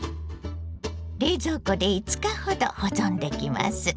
冷蔵庫で５日ほど保存できます。